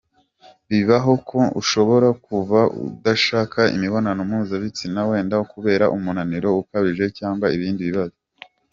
Bibaho ko ushobora kumva udashaka imibonano mpuzabitsina wenda kubera umunaniro ukabije cyangwa ibindi bibazo.